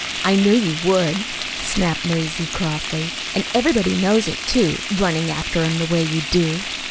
I knew you would," snapped Mazie crossly. "And everybody knows it, too running after him the way you do."